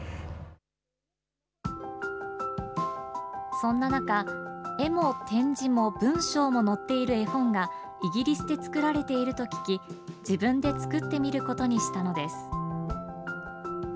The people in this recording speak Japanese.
そんな中、絵も点字も文章も載っている絵本が、イギリスで作られていると聞き、自分で作ってみることにしたのです。